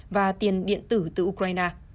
và tiền điện tử từ ukraine